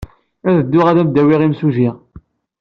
Ad dduɣ ad am-d-awiɣ imsujji.